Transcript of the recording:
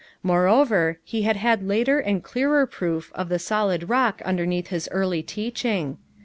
Moreover, he had had later and clearer proof of the solid rock underneath his early teaching.